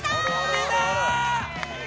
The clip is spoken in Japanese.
みんなー！